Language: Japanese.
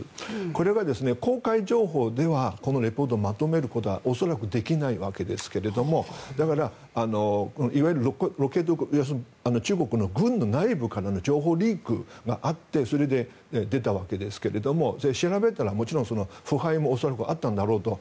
これは公開情報ではこのリポートをまとめることは恐らくできないわけですがだから要するに中国の軍の内部からの情報リークがあってそれで出たわけですが調べたら、もちろん腐敗もあったんだろうと。